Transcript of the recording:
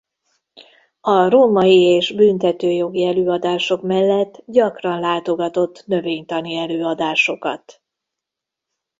A római és büntetőjogi előadások mellett gyakran látogatott növénytani előadásokat.